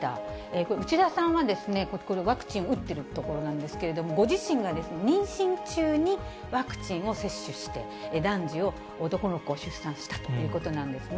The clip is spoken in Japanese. これ、内田さんはこれワクチン打ってるところなんですけど、ご自身が妊娠中にワクチンを接種して、男児を、男の子を出産したということなんですね。